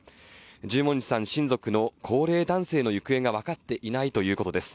十文字さん親族の高齢男性の行方が分かっていないということです。